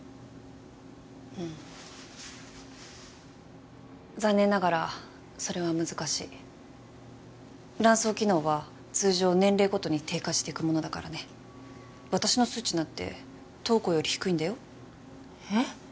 うん残念ながらそれは難しい卵巣機能は通常年齢ごとに低下してくものだからね私の数値なんて瞳子より低いんだよえっ？